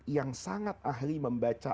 yang sangat ahli membaca